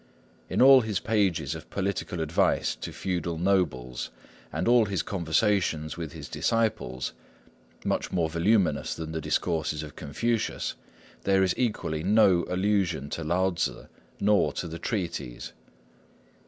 In all his pages of political advice to feudal nobles, and all his conversations with his disciples, much more voluminous than the Discourses of Confucius, there is equally no allusion to Lao Tzŭ, nor to the treatise.